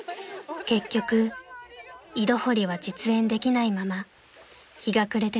［結局井戸掘りは実演できないまま日が暮れてしまいました］